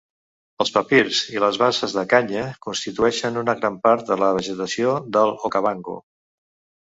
Els papirs i les basses de canya constitueixen una gran part de la vegetació del Okavango.